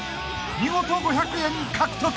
［見事５００円獲得］